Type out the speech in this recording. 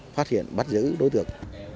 phát hiện bắt giữ đối tượng